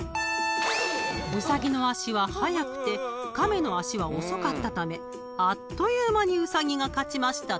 ［ウサギの足は速くて亀の足は遅かったためあっという間にウサギが勝ちました